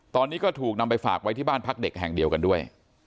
ตอนนี้ก็ถูกนำไปฝากไว้ที่บ้านพักเด็กแห่งเดียวกันด้วย